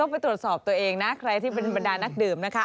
ไปตรวจสอบตัวเองนะใครที่เป็นบรรดานักดื่มนะคะ